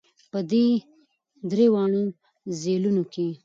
په دې درېواړو ځېلونو کې